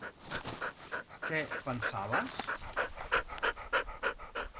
Què pensaves?